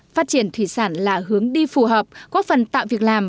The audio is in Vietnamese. phát triển thủy sản là hướng đi phù hợp góp phần tạo việc làm